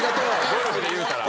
ゴルフでいうたら。